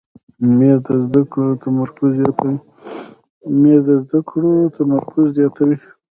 مېز د زده کړو تمرکز زیاتوي.